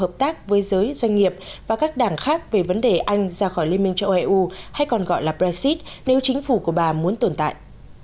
hợp tác với giới doanh nghiệp và các đảng khác về vấn đề anh ra khỏi liên minh châu âu eu hay còn gọi là brexit nếu chính phủ của bà muốn tồn tại